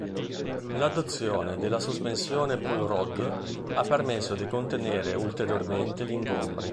L'adozione della sospensione pull-rod ha permesso di contenere ulteriormente gli ingombri.